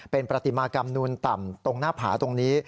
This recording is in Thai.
เป็นปฏิมากรรมนูนต่ำตรงหน้าผาตรงนี้